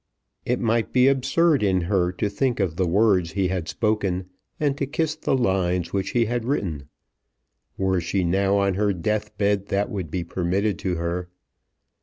It might be absurd in her to think of the words he had spoken, and to kiss the lines which he had written. Were she now on her deathbed that would be permitted to her.